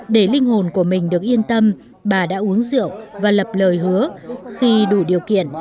để linh hồn của mình được yên tâm bà đã uống rượu và lập lời hứa khi đủ điều kiện